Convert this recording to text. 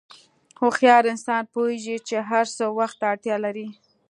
هوښیار انسان پوهېږي چې هر څه وخت ته اړتیا لري.